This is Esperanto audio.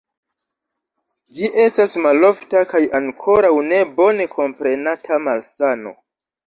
Ĝi estas malofta kaj ankoraŭ ne bone komprenata malsano.